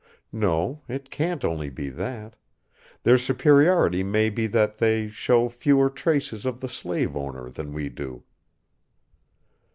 No, it can't only be that; their superiority may be that they show fewer traces of the slaveowner than we do."